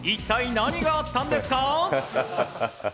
何があったんですか？